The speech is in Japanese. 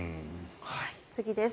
次です。